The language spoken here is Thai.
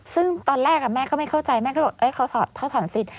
ซึ่งตอนแรกแม่ก็ไม่เข้าใจแม่ก็บอกเขาถอนสิทธิ